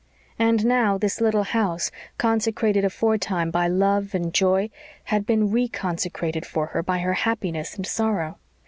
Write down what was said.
And how this little house, consecrated aforetime by love and joy, had been re consecrated for her by her happiness and sorrow!